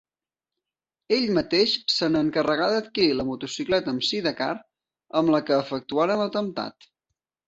Ell mateix se n'encarregà d'adquirir la motocicleta amb sidecar amb la que efectuaren l'atemptat.